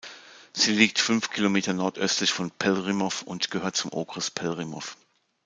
Sie liegt fünf Kilometer nordöstlich von Pelhřimov und gehört zum Okres Pelhřimov.